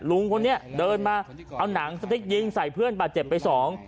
ลุงคนนี้เดินมาเอาหนังสติ๊กยิงใส่เพื่อนบาดเจ็บไปสอง